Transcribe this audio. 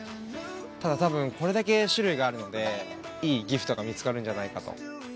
ただ多分これだけ種類があるのでいいギフトが見つかるんじゃないかと。